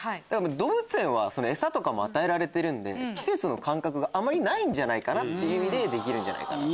動物園はエサとかも与えられてるんで季節の感覚があまりないかなっていう意味でできるんじゃないかな。